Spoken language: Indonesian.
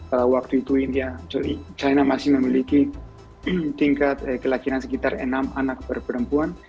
pada waktu itu india china masih memiliki tingkat kelainan sekitar enam anak berperempuan